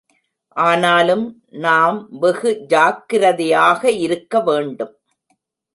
ஆனாலும், நாம் வெகு ஜாக்கிரதையாக இருக்க வேண்டும்.